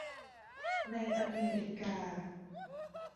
ในอเมริกา